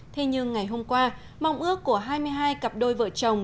thế nhưng ngày hôm qua mong ước của hai mươi hai cặp đôi vợ chồng